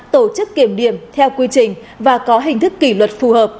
tổ chức kiểm điểm theo quy trình và có hình thức kỷ luật phù hợp